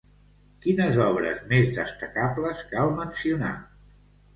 Quines obres més destacables cal mencionar?